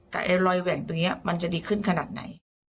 กับไอ้รอยแหวนตรงนี้มันจะดีขึ้นขนาดไหน